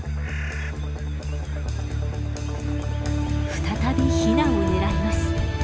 再びヒナを狙います。